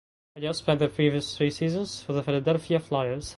Elliott spent the previous three seasons with the Philadelphia Flyers.